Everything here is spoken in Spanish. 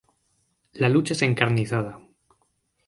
La lucha es encarnizada.